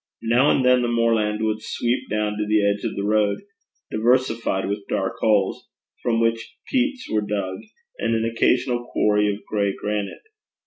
Now and then the moorland would sweep down to the edge of the road, diversified with dark holes from which peats were dug, and an occasional quarry of gray granite.